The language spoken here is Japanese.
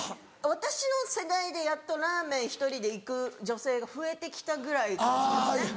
私の世代でやっとラーメン１人で行く女性が増えて来たぐらいかもしれないですね。